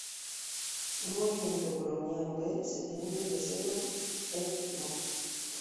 Un movimiento browniano "B" se entiende de ser un "F"-mov.